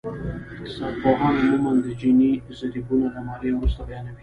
اقتصادپوهان عموماً د جیني ضریبونه د ماليې وروسته بیانوي